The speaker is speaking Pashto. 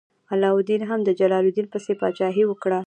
علاوالدین هم د جلال الدین پسې پاچاهي وکړه.